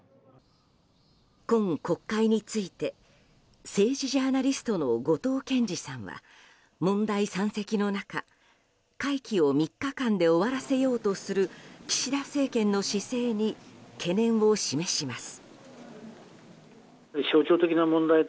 今国会について政治ジャーナリストの後藤謙次さんは問題山積の中、会期を３日間で終わらせようとする岸田政権の姿勢に懸念を示します。